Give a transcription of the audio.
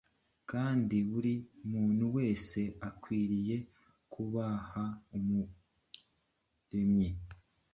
kandi buri muntu wese akwiriye kubaha Umuremyi.